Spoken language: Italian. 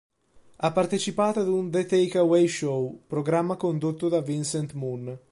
Ha partecipato ad un The Take-Away Show, programma condotto da Vincent Moon.